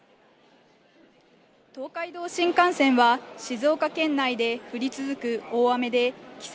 東海道新幹線は静岡県内で降り続く大雨で規制